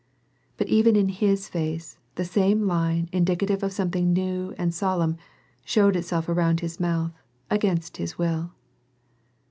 But even in his face, tlie aame line, indicative of something new and solemn, showed itself around his uoutb, against his will.